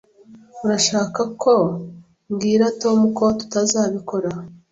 Urashaka ko mbwira Tom ko tutazabikora?